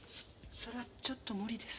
それはちょっと無理です。